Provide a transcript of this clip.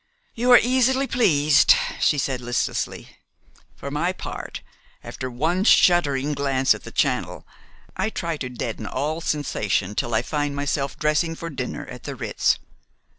"You are easily pleased," she said listlessly. "For my part, after one shuddering glance at the Channel, I try to deaden all sensation till I find myself dressing for dinner at the Ritz.